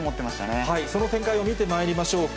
その展開を見てまいりましょうか。